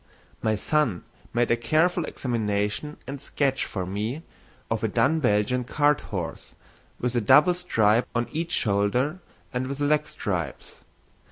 My son made a careful examination and sketch for me of a dun Belgian cart horse with a double stripe on each shoulder and with leg stripes.